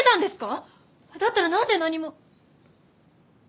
だったらなんで何も。